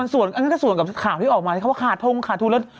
อันนี้ก็ส่วนกับข่าวที่ออกมาที่เขาว่าขาดทุน